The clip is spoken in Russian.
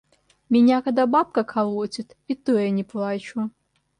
– Меня когда бабка колотит, и то я не плачу!